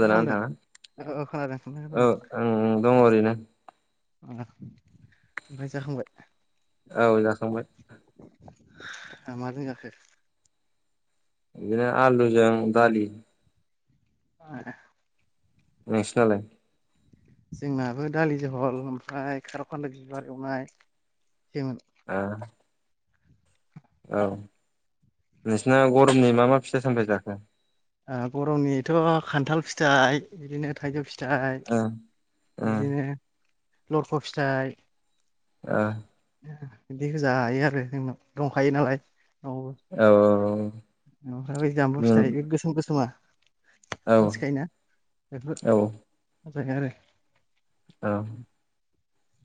मा खालामदों नोंथाङा? औ औ खोनादों खोनादों ओ आं दङ ओरैनो ओमफ्राय जाखांबाय औ जाखांबाय आ मादो जाखो बिदिनो आलुजों दालि औ नोंसोनालाय जोंनाबो दालि जहल ओमफ्राय खार'खानलो बिबार एवनाय जेमोन औ औ नोंसिना गरमनि मा मा फिथ सामथायबाय जाखो? ओ गरमनिथ' खान्थाल फिथाइ बिदिनो थाइजौ फिथाइ ओ ओ बिदिनो लरख' फिथाइ ओ बिदिखौ जायो आरो जोंनाव दंखायो नालाय औ ओमफ्राय बैजामबु फिथाय बै गोसोम गोसोमा। ओ औ मिनथिखायो ना बेफोर औ मोजां आरो औ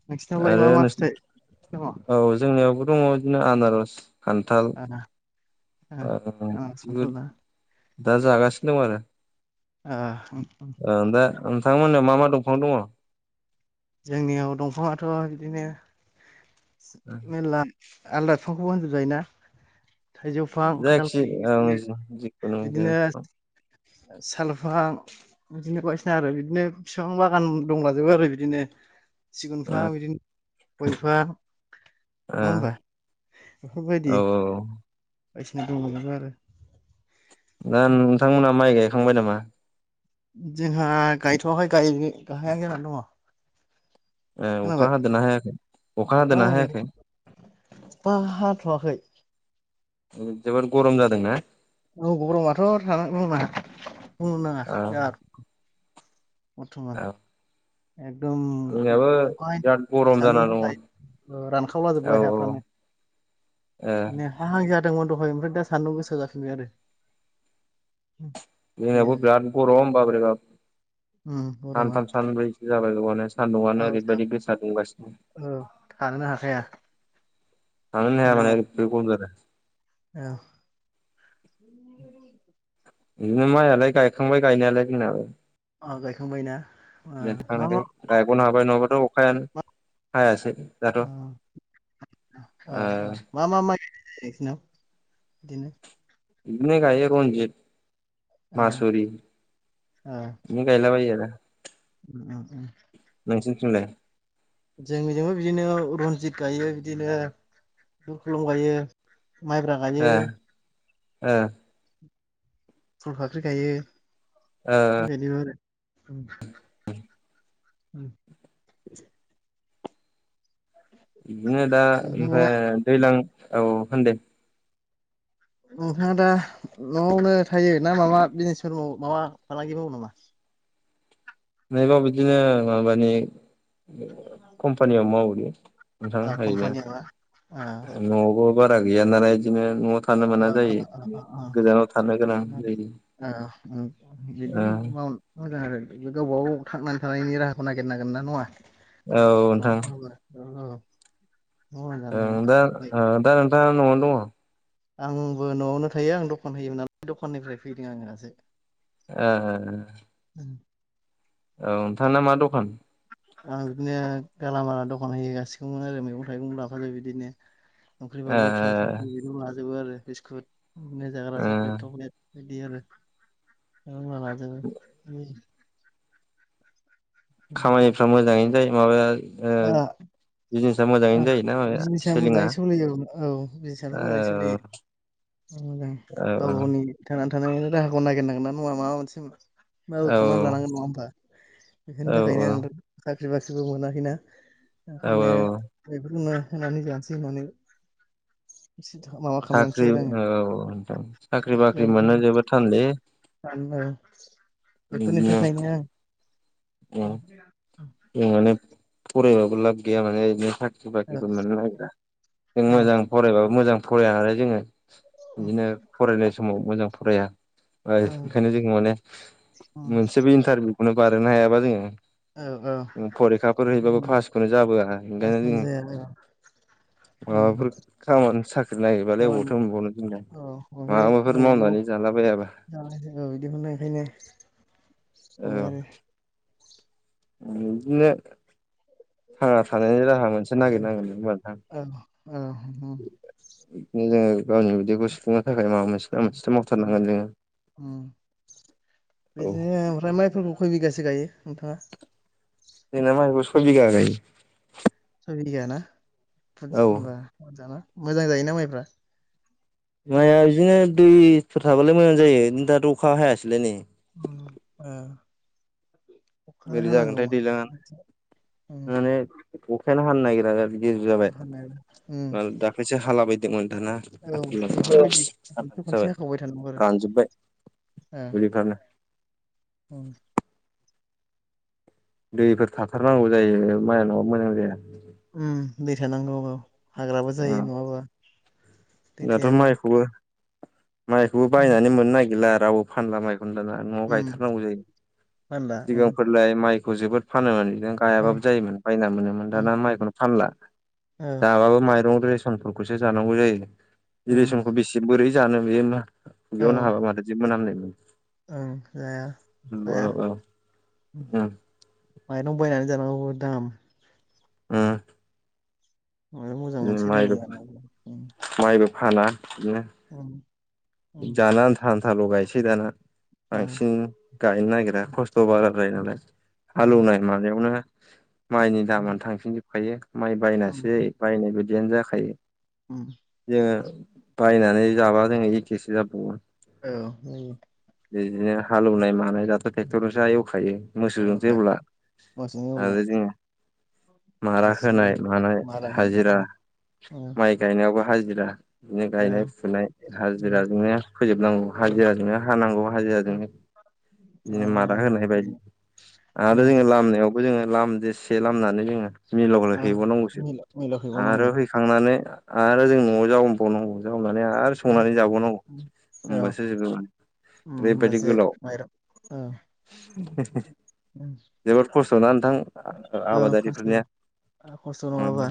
नोंसिनावलाय मा आरो मा फिथाइ दङ नोंसोर औ जोंनियावबो दङ बिदिनो आनारस, खान्थाल। ओ आनारस खान्थाल बिदि ना दा जागासिनो दं आरो ओ ओं दा नोंथांमोनाव मा मा दंफां दङ? जोंनियाव दंफाङाथ' बिदिनो मेरला आलदा बिफांखौबो होनजोब जायोना? थाइजौफां खान्थाल जायखि फां ओं बिनो जिखुनु जे बिदिनो ओ सालफां बिदिनो बायसिना आरो बिदिनो बिफां बागान दंबाजोबो आरो बिदिनो। ओ सिगुनफा बिदिनो गयबिफां। नङा होमबा औ बेफोरबायदि औ बायदिसिना दंबावो आरो दा नोंथांमोना माइ गायखांबाय नामा? जोंहा गायथ'वाखै गाहायहां जानानै दङ। ए अखा खोनाबाय ह दो नाहायााखै अखा हदो नाहायाखै? आंखा हाथ'वाखै। जोबोद गरम जादोंना? न गौरमाथ' थानानैनाङा बुंनो औ नाङा बरथमान औ एकदम जोंनियाबो अखा बिराद स गरम [unintelligible] जाना दङ ओ रानखावला जोबबाय औ औ हाफ्रानो ए बिनो हा हां गो दहाय ओमफ्राय दा सानदुं गोसा जाफिनबाय आरो। बिनो जोंनियावबो बिराद गरम बोरैबाब उम गरमा सानथाम सानब्रैसो जाबाय गोरमानो। औ सान्दुंआनो जा ओरैबायदि गोसा दुंगासिनो औ थानोनो हाखाया। थानोनो हायामाने सान्दुंआ ओरैबायदि गरम जादों। औ बिदिनो माइायालाय गायखांबाय गायनायालाय जोंना। गायखांबायना? [unintelligible] गायग'नो हाबाय नङाबाथ' अखायानो हायासै। दाथ' ओ ओ मा मा माइ [unintelligible] बिदिनो बिदिनो गायो रनजिद मासुरि बिदिनो गायला बायो आरो। उ उ नोंसिनिथिंलाय उ जोंनिथिंजायबो बिदिनो रनजित गायो बिदिनो [unintelligible] ख्लं गायो माइब्रा ओ गायो। ओ फुल फाख्रि गायो बेबायदिनो आरो ओम ओम बिदिनो दा नोंथाङा ओमफ्राय दैज्लां नोंथाङा दा न'आवनो थायो ना माबा बिजनेसफोर मावो माबा फालांगि मावो नामा? नैबा बिदिनो माबानि कम्पानियाव मावो नोंथां हायनो कम्पानियाबा ओ न'आवबो बारा गैया नालाय बिदिनो न'आव थानो ओ मोना ओ ओ जायो ओ गोजानाव थानो गोनां ओ जायो [unintelligible] ओ बिदिनो माव [unintelligible] मोजां आरो गावबा गाव थांनानै थानायनि राहाखौ नागिरनांगोन ना नङा औ नोंथां [unintelligible] मोजां ओ जागोन। दा ओमफ्राय ओ दा नोंथाङा न'आवनो दङ आंबो न'आवनो थायो आं दखान होयोमोन नालाय दखाननिफ्राय फैदों आङो दासो ए औ नोंथाना मा दखान आं बिदिनो गालामाला दखान होगासिगौमोन आरो मैगं थाइगं लाफायो बिदिनो संख्रि ओ बानलु थाव बिदिनो लाजोबो आरो बिस्कुट बिदिनो जाग्रा ओ सक्लेट टक्लेट बिदि आरो होनबा लाजोबो खामानिफ्रा मोजाङैनो जायो माबाया ओ बिजनेस बिजनेसआ मोजाङै सोलियो औ बिजनेसआथ' ओ मोजाङै सोलियो मोजां औ गाव गावनि थांनानै थानायनि राहाखौ नागिरनांगोन ना नङा माबा मोनसे माबो औ खालामनानै लानांगोन नङा होमबा बेफोरनि औ थाखायनो आं दा [unintelligible] मोनाखैना औ ओंखायनो औ बेफोरखोनो होनानै जानसै होननानै माबा खालामनोसै साख्रि आरो आङो औ साख्रि बाख्रि मोननो जोबोद थानलै [unintelligible] औ बेफोरनि बिदिनो थाखायनो आं उम जों माने फरायबाबो लाब गैया माने [unintelligible] बा औ खिबो मोननो नागिरा जों औ मोजां फरायबाबो मोजां फरायानालाय जोङो बिदिनो फरायनाय समाव मोजां फराया [unintelligible] ओंखायनो जों माने औ मोनसेबो इन्टारभिउखौनो बारनो हायाबा जोङो औ फरिखाफोर हैबाबो औ पासखौनो जाबोआ ओंखायनो आसोम जों जाया औ माबाफोर खामानि साख्रि नागिरबालाय खामानि अबावथ' मोनबावनो जोंना औ माबाबाफोर मावनानै जाला बायाबा जानाय औ बिदिखौनो ओंखायनो औ खालामबाय आरो बिदिनो थांना थानायनि राहा मोनसे नागिरनांगोन होमबा नोंथां औ औ उम बिदिनो जोङो गावनि उदैखौ सुुफुंनो थाखाय माबा मोनसे ना मोनसेथ' उम मावथारनांगोन जोङो उम औ बिदिनो ओमफ्राय माइफोरखौ खय बिगासो गायो नोंथाङा सइ बिगा गायो सइ बिगा ना औ होनबा बुरजाना मोजां जायोना माइफ्रा माइआ बिदिनो दैफोर थाबालाय मोजां जायो दाथ' अखा हायासैलाय नै आ बोरै जागोनथाय दैज्लांआ उम माने अखायानो हानो नागिरा बिदि जाबाय हानाया उम दाख्लैसो हाला बायदोंमोन। औ बेफोरबायदि खनसे खनसे हाखावबाय थानांगौ आरो रानजोबबाय दुलिखारना औ दैफोर थाथारनांगौ जायो माइआ नङाबा मोजां जाया। उम‌ दै थानांगौ औ हाग्राबो जायो नङाबा। दै दाथ' थायाबा माइखौबो। माइखौबो उम बायनानै मोननो नागिरला रावबो फानला माइखौ। दाना न'आव उम गायथारनांगौ जायो मानला उम सिगांफोरलाय माइखौ जोबोद फानोमोन। बिनो ओ गायाबो जायोमोन बायना मोनोमोन ओ दाना माइखौनो फानला ओ जाबाबो माइरं रेसन। फोरखौसो जानांगौ जायो उम बिलेसनखौ बेसे बोरै जानो बेयो। औ ज'नो हाबा माथो जि मोनामनाय मोनो। ओं जाया जाया माइरं बायनानै। आयौ दाम। उम माबा मोजां मानसै बायनानै लाना। माइबो अ जाना आन्था आन्थाल' गायनोसै दाना ओ बांसिन गायनो नागिरा खस्थ' बारा। जायो नालाय उम हालौवनाय मानायावनो। माइनि दामानो थांफिनजोबखायो माइ उम बायनासैै बायनाय बायदियानो जाखायो। उम जोङो बायनानै जाबा जोङो एखेसो जाबावो। औ बिदिनो हालौवनाय मानाय दाथ' ट्रेक्टरजोंसो एवखायो मोसौजोंसो एवब्ला। मौसौजों एवला। मारा होनाय मानाय मारा हाजिरा होयो उम माइ गायनायावबो हाजिरा। बिदिनो औ गायनाय फुनाय हाज उम जिराजोंनो फोजोबनांगौ औ हाजिराजोंनो हानांगौ हाजिराजोंनो। बिदिनो मादा औ होनाय बायदि औ आरो जोङो लामायाव। जोङो लाम देरसे लामनानै जोङो। मिलावगलाय औ हैबावनांगौसो मिल आरो मिलावहैबावनांगौ हैखांनानै आरो जों न'आव जाबावनांगौ। आरो उम संनानै जाबाव। उम औ होनबासो जोबजोगोन उम ओरैबायदि होमबासो गोलाव। माइरं औ उम जोबोद खस्थ'ना नोंथां औ खस्थ' आबादारिफोरनिया। खस्थ' उम नङाबा।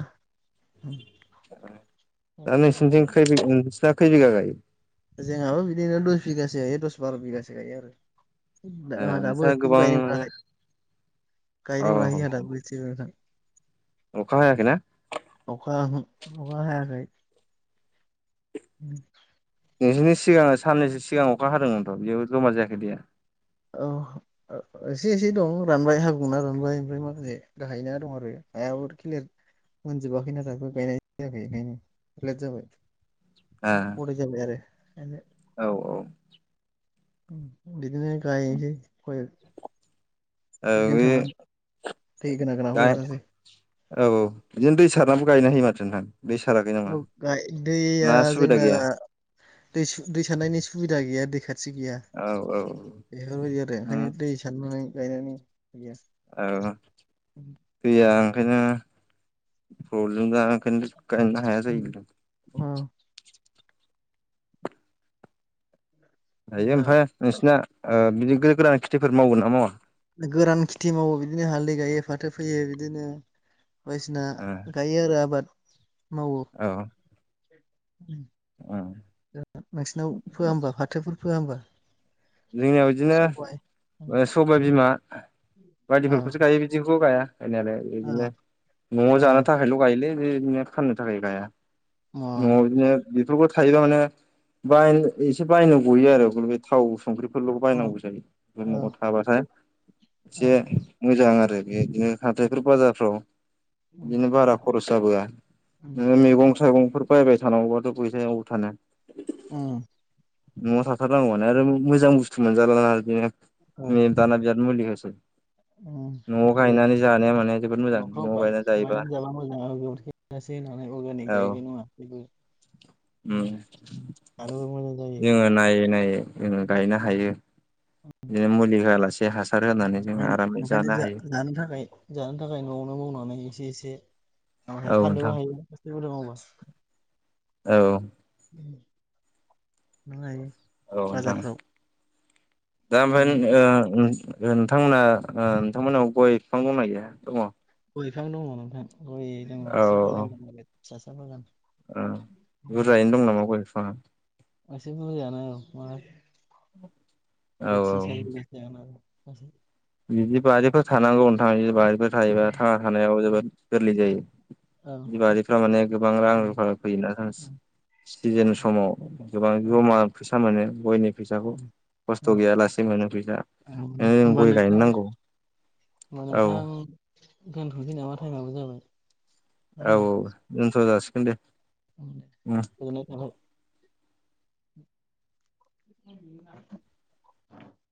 दा उम नोंसनिथिं खै बि नोंसिना खै बिगा गायो। जोंहाबो बिदिनो दस बिगासो गायो दस बार' बिगासो गायो ओ आरो। दाबो नोंस्रा एसेबो गोबां गायनो मोनाखै। औ गायनो औ मोनाखै आदा [unintelligible] अखा हायाखैना। अखा अखा हायाखै। नोंसोरनि सिगां साननैसो सिगां अखा हादोंमोनथ' बेबो जमार जायाखै दैया। औ एसे एसे दं रानबाय हाबुंना रानबाय ओमफ्राय माखासे गाहायना दं आरो। हायाब खिलियार मोनजोबाखै नालाय गायनो हानाय जायाखै बेखायनो लेट जाबाय। गदाय जाबाय आरो गायनाय। औ औ। बिदिनो गायनोसै। औ बिदिनो बे थांनानै दै गोनां गोनांखौ गाय। गायग्रोनोसै औ औ बिदिनो दै सारनानैबो गायनो हायो माथो नोंथां। दै साराखै नामा औ गाय ना दैया सुबिदा जोंना। गैया दै दै सारनायनि सुबिदा गैया दैखा थि गैया औ औ बेफोरबायदि आरो उम ओंखायनो दै सारनानै गायनानै होयो। औ गैया ओंखायनो प्रब्लेम हाया जायो नोंथां अ दायो दा ओमफ्राय नोंसिना बिदि गोदो गोदान खेथिफोर मावगोन ना मावा गोरान खेथि मावो बिदिनो हालदै गायो फाथो फैयो बिदिनो बायदिसिना ओ गायो आरो आबाद मावो औ उम नोंसिनाव फोआ होमबा फाथोफोर फोआ होमबा जोंनियाव सबाय अ बिदिनो सबाय बिमा अ बायदिफोरखौसो गायो बिदिखौ गाया गायनायालाय बिदिनो अ नआव अ जानो थाखायल गायोलै बिदिनो फाननो थाखाय गाया नआव अ बिदिनो बेथ थायोबा माने बाय एसे बायनो गयो आरो बे थाव संख्रि फोरलुखौ बायनांगौ जायो अ नआव थाबाथाय एसे अ मोजां आरो बे बिदिनो हाथायफोर बाजारफ्राव उम बिदिनो बारा खरस जाबोया उम नोङो मैगं थाइगं फोर बायबाय थानांगौबाथ फैसा अबाव थानो उम नआव थाथारनांगौआनो आरो मोजां बुस्थु मोनजाला ना आरो औ बिदिनो दाना बिराद मुलि होसै उम नआव जायो गायनानै जानाया माने जोबोद मोजां न'फ्राव नआव गायनानै जायोबा [unintelligible] अर्गानिक जायैबाय नङा बेबो [inaudible] ओं जानोबो मोजां जायो। जोङो नायै नायै जोङो गायनो ओंखायनो हायो बेनो मुलि होयालास खायनो ओंखायनो जोहा जानो थाखाय जानो थाखाय नआवनो मावनानै एसे एसे औ फाननोबो नोंथां हायो एसे बुरजा मावबा औ [unintelligible] औ नोंथां बाजारफ्राव ओंखायनो। दा होनबा नों ओ ओं ओ नोंथांमोना ओ नोंथांमोनाव गय फिफां दंना गैया दङ गय बिफां दङ नोंथां गय दङ एसे बागान दङलाय फिसासा बागान ओ बुरजायैनो दं नामा गय बिफाङा एसे बुरजायानो औ मा औ होनो औ तिन सारि बिघासो जानो हागौ [unintelligible] बिदि बारिफ्राव थानांगौ नोंथा बि बारिफोर थायोबा थांना थानायाव जोबोद गोरलै जायो औ बि बारिफ्रा माने गोबां रां रुफा फैयोना [unintelligible] स्थिजेन समाव गोबा जमा फैसा मोनो गयनि फैसाखौ खस्थ गैया लासे मोनो फैसा ओं औ नोंथ नोंगौ औ नोंथां गानथनोसै नामा टाइमाबो जाबाय औ औ दोनथ जासिगोन दे उम गोजोनन थाबाय [inaudible]